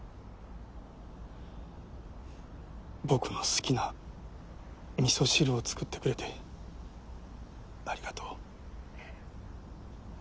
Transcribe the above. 僕の好きな味噌汁を作ってくれてありがとう。